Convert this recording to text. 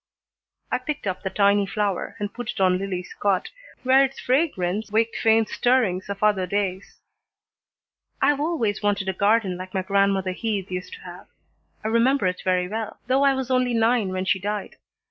I picked up the tiny flower and put it on Lillie's cot, where its fragrance waked faint stirrings of other days. "I've always wanted a garden like my grandmother Heath used to have. I remember it very well, though I was only nine when she died.